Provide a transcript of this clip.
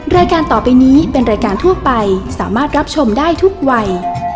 รายการต่อไปนี้เป็นรายการทั่วไปสามารถรับชมได้ทุกวัย